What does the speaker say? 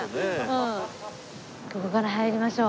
ここから入りましょう。